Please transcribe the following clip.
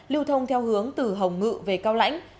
lưu thông theo hướng từ hồng ngự về cao lãnh